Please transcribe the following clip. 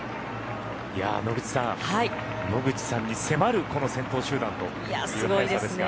野口さん、野口さんに迫るこの先頭集団ということですが。